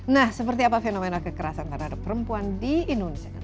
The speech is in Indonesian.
nah seperti apa fenomena kekerasan terhadap perempuan di indonesia